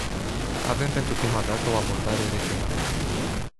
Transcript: Avem pentru prima dată o abordare regională.